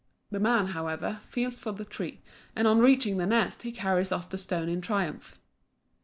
The man, however, feels for the tree, and on reaching the nest, he carries off the stone in triumph.